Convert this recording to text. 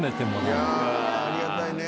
「いやありがたいね」